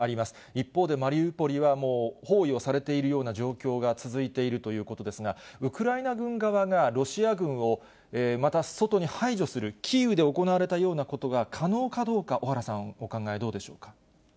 一方でマリウポリはもう包囲をされているような状況が続いているということですが、ウクライナ軍側が、ロシア軍をまた外に排除する、キーウで行われたようなことが可能かどうか、小原さん、お考え、どうでしょうか。